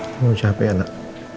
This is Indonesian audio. kamu capek anak